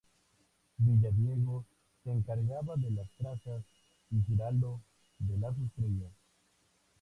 Villadiego se encargaba de las trazas y Giraldo de las tallas.